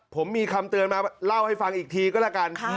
ผมมีคำเตือนมาเล่าให้ฟังอีกทีก็แล้วกัน